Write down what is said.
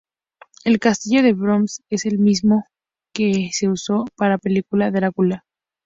El castillo de Baskerville es el mismo que se usó para la película "Drácula".